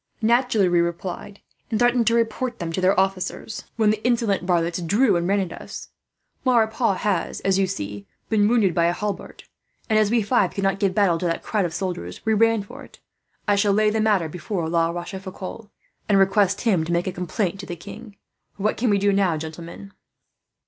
Naturally we replied, and threatened to report them to their officers; when the insolent varlets drew and ran at us. Maurepas has, as you see, been wounded by a halbert; and as we five could not give battle to that crowd of soldiers, we ran for it. I shall lay the matter before La Rochefoucauld, and request him to make a complaint to the king. What can we do now, gentlemen?"